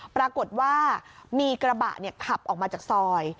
ปรากฏว่ามีกระบะขับออกมาจากซอย